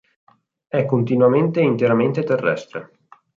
È continuamente e interamente terrestre.